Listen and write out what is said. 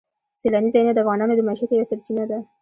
سیلاني ځایونه د افغانانو د معیشت یوه سرچینه ده.